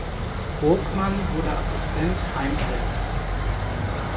Boockmann wurde Assistent Heimpels.